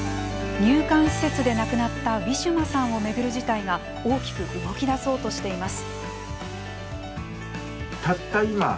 入管施設で亡くなったウィシュマさんを巡る事態が大きく動きだそうとしています。